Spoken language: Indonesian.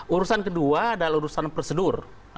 urusan kedua adalah urusan prosedur